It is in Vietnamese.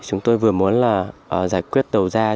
chúng tôi vừa muốn là giải quyết đầu da cho